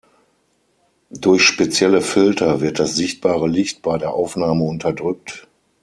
Durch spezielle Filter wird das sichtbare Licht bei der Aufnahme unterdrückt.